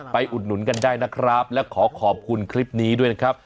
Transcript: อุดหนุนกันได้นะครับและขอขอบคุณคลิปนี้ด้วยนะครับ